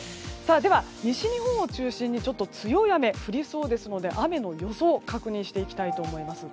西日本を中心に強い雨が降りそうですので雨の予想確認していきたいと思います。